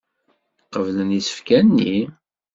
Qeblen isefka-nni.